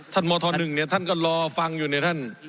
มธ๑เนี่ยท่านก็รอฟังอยู่เนี่ยท่าน